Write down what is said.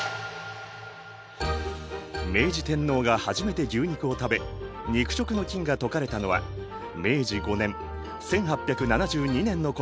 明治天皇が初めて牛肉を食べ肉食の禁が解かれたのは明治５年１８７２年のことである。